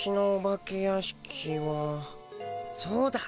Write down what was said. そうだ！